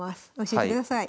教えてください。